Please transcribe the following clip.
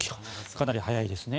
かなり速いですね。